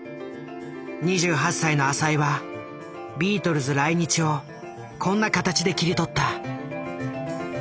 ２８歳の浅井はビートルズ来日をこんな形で切り取った。